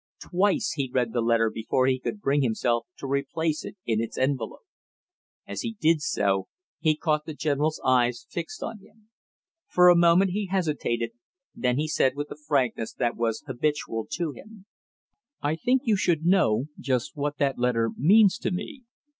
Twice he read the letter before he could bring himself to replace it in its envelope. As he did so, he caught the general's eyes fixed on him. For a moment he hesitated, then he said with the frankness that was habitual to him: "I think you should know just what that letter means to me.